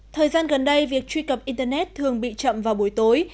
thời gian gần đây việc truy cập internet thường bị chậm vào buổi tối